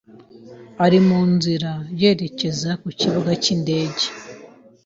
ari mu nzira yerekeza ku kibuga cy'indege.